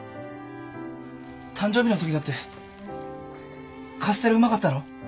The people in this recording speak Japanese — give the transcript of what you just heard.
誕生日のときだってカステラうまかったろ？